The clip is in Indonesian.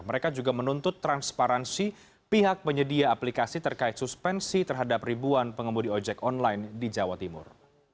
mereka juga menuntut transparansi pihak penyedia aplikasi terkait suspensi terhadap ribuan pengemudi ojek online di jawa timur